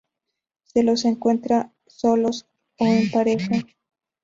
Se los encuentra solos o en parejas.